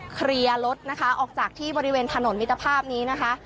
เคลียร์รถนะคะออกจากที่บริเวณถนนมิตรภาพนี้นะคะ